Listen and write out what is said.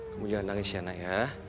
kamu jangan nangis ya nay